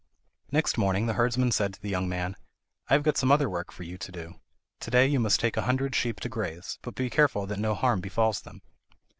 Next morning the herdsman said to the young man: "I have got some other work for you to do. To day you must take a hundred sheep to graze; but be careful that no harm befalls them."